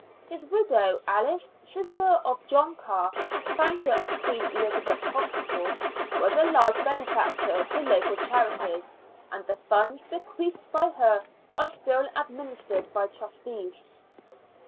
His widow, Alice, sister of John Carr, founder of Queen Elizabeth's Hospital, was a large benefactor to local charities, and the funds bequeathed by her are still administered by trustees.